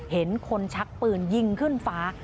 เห็นคนชักปืนยิงขึ้นฟ้า